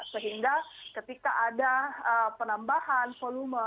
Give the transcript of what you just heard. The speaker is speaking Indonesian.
sehingga ketika ada penambahan volume